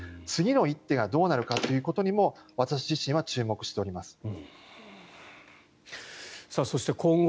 次の一手がどうなるかということにも私自身は注目しております。